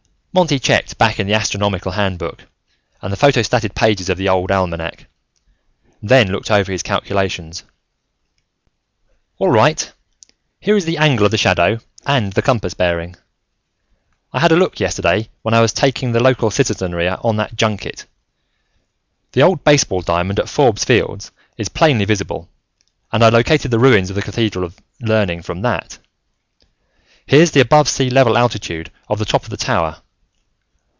Monty checked back in the astronomical handbook, and the photostated pages of the old almanac, then looked over his calculations. "All right, here is the angle of the shadow, and the compass bearing. "I had a look, yesterday, when I was taking the local citizenry on that junket. The old baseball diamond at Forbes Field is plainly visible, and I located the ruins of the Cathedral of Learning from that. "Here's the above sea level altitude of the top of the tower.